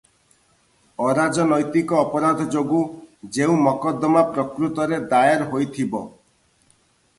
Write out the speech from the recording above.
ଅରାଜନୈତିକ ଅପରାଧ ଯୋଗୁଁ ଯେଉଁ ମକଦମା ପ୍ରକୃତରେ ଦାଏର ହୋଇଥିବ ।